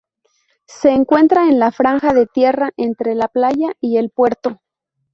Se encuentra en la franja de tierra entre la playa y el puerto.